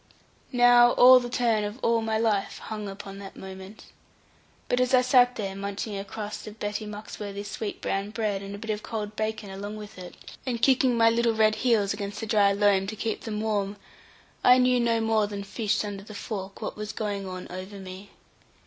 Now all the turn of all my life hung upon that moment. But as I sat there munching a crust of Betty Muxworthy's sweet brown bread, and a bit of cold bacon along with it, and kicking my little red heels against the dry loam to keep them warm, I knew no more than fish under the fork what was going on over me.